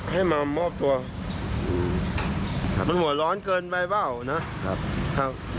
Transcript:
ให้มามอบตัวมันหัวร้อนเกินไปเบานะครับ